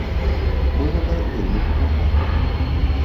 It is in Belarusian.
Мы гэта вельмі паважаем.